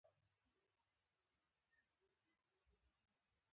اوبه د میوې وینځلو لپاره مهمې دي.